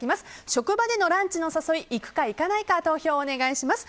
職場でのランチの誘い行くか行かないか投票をお願いします。